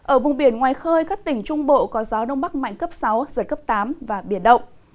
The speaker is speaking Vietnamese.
ở vùng biển ngoài khơi các tỉnh trung bộ có gió đông bắc mạnh cấp sáu giật cấp tám và biển động